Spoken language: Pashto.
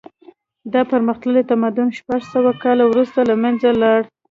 دا پرمختللی تمدن شپږ سوه کاله وروسته له منځه لاړ.